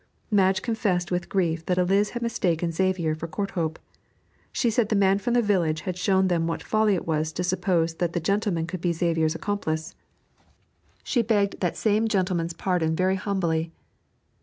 Madge confessed with grief that Eliz had mistaken Xavier for Courthope. She said the man from the village had shown them what folly it was to suppose that the gentleman could be Xavier's accomplice. She begged that same gentleman's pardon very humbly.